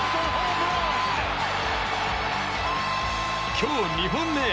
今日２本目！